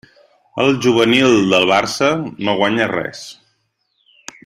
El juvenil del Barça no guanya res.